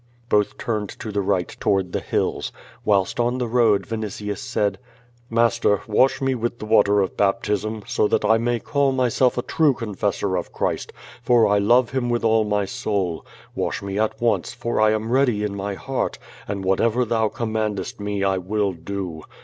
Both turned to the right toward the hills. Whilst on the road, Vinitius said: "Master, wash me with the water of baptism, eo that I may call myself a true confessor of Christ, for I love Him with all my soul. Wash me at once for I am ready in my heart, and whatever thou commandest me I will do.